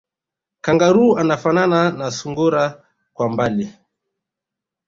Kangaroo anafanana na sungura kwa mbali